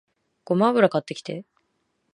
ごま油買ってきて